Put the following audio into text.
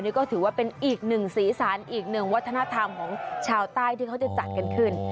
นี่ก็ถือว่าเป็นอีกหนึ่งสีสันอีกหนึ่งวัฒนธรรมของชาวใต้ที่เขาจะจัดกันขึ้น